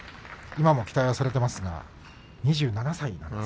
今も期待されていますが２７歳です。